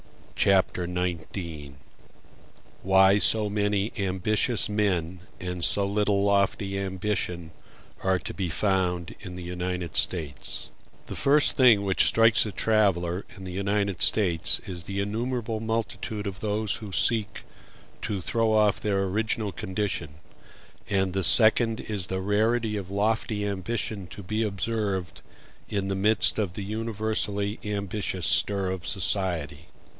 Chapter XIX: Why So Many Ambitious Men And So Little Lofty Ambition Are To Be Found In The United States The first thing which strikes a traveller in the United States is the innumerable multitude of those who seek to throw off their original condition; and the second is the rarity of lofty ambition to be observed in the midst of the universally ambitious stir of society.